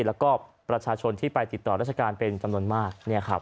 แล้วก็ประชาชนที่ไปติดต่อราชการเป็นจำนวนมาก